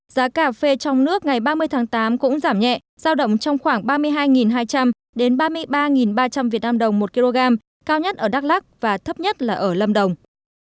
giá cà phê trong nước ngày ba mươi tháng tám cũng giảm nhẹ giao động trong khoảng ba mươi hai hai trăm linh đến ba mươi ba ba trăm linh việt nam đồng một kg cao nhất ở đắk lắc và thấp nhất là ở lâm đồng